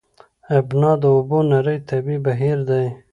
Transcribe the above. ابنا د اوبو نری طبیعي بهیر دی.